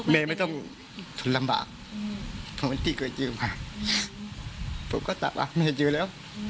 แม่ไม่ต้องสนลำบากผมมันที่เคยเจอมาผมก็ตามว่าไม่เจอแล้ว